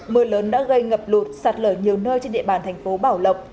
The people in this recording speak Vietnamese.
mưa lớn đã gây ngập lụt sạt lở nhiều nơi trên địa bàn thành phố bảo lộc